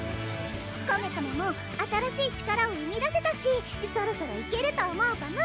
コメコメも新しい力を生み出せたしそろそろ行けると思うパム！